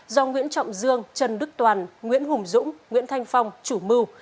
do nguyễn trọng dương trần đức toàn nguyễn hùng dũng nguyễn thanh phong chủ mưu